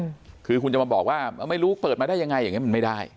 เกิดขึ้นคือคุณจะมาบอกว่าไม่รู้เปิดมาได้ยังไงอย่างนี้ไม่ได้